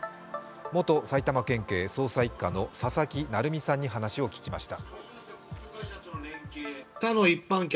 元埼玉県警捜査一課の佐々木成三さんに話を聞きました。